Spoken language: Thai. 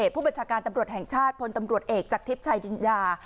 ผู้บัญชาการตำรวจแห่งชาติพลตำรวจเอกจากทิพย์ชายดินยา